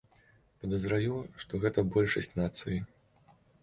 Падазраю, што гэта большасць нацыі.